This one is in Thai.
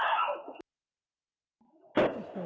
โทรเรียทางนี้